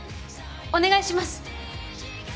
お願いします！